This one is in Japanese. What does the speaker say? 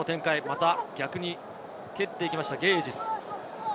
その展開、また逆に蹴っていきました、ゲージスです。